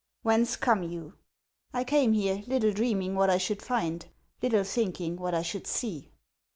" Whence come you ?"" I came here, little dreaming what I should find ; little thinking what I should see."